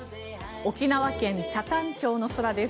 沖縄県北谷町の空です。